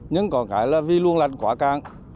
nhưng có cái là vì luồng lạch quá càng